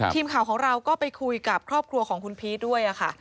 ทีมข่าวของเราก็ไปคุยกับครอบครัวของคุณพีชด้วยค่ะ